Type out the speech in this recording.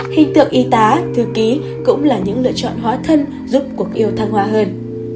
hình tượng y tá thư ký cũng là những lựa chọn hóa thân giúp cuộc yêu thăng hoa hơn